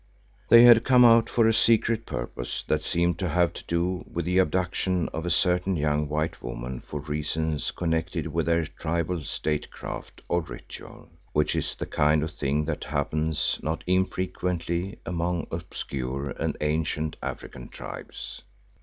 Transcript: They had come out for a secret purpose that seemed to have to do with the abduction of a certain young white woman for reasons connected with their tribal statecraft or ritual, which is the kind of thing that happens not infrequently among obscure and ancient African tribes.